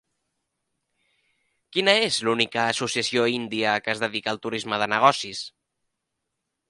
Quina és l'única associació índia que es dedica al turisme de negocis?